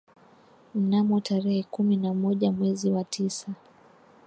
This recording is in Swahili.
Mnamo tarehe kumi na moja mwezi wa tisa